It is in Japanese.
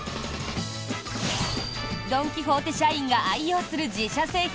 ドン・キホーテ社員が愛用する自社製品